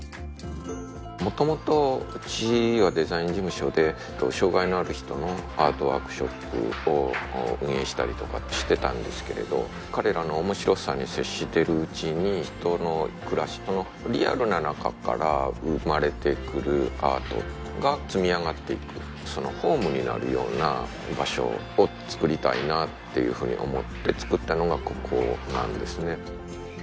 もともとうちはデザイン事務所で障がいのある人のアートワークショップを運営したりとかってしてたんですけれど彼らのおもしろさに接してるうちに人の暮らしそのリアルな中から生まれてくるアートが積み上がっていくそのホームになるような場所をつくりたいなっていうふうに思ってつくったのがここなんですね